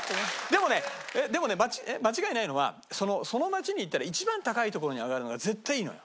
でもねでもね間違いないのはその街に行ったら一番高い所に上がるのが絶対いいのよ。